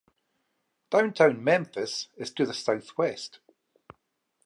Downtown Memphis is to the southwest.